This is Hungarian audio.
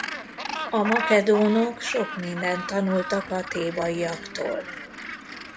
A makedónok sok mindent tanultak a thébaiaktól.